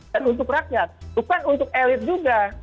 dan untuk rakyat bukan untuk elit juga